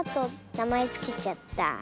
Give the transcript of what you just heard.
なまえつけちゃった。